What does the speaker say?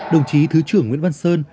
đồng chí thứ trưởng nguyễn văn sơn